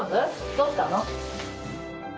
どうしたの？